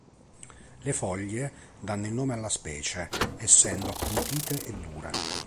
Le foglie danno il nome alla specie, essendo appuntite e dure.